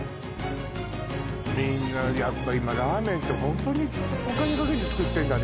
みんなやっぱ今ラーメンってホントにお金かけて作ってんだね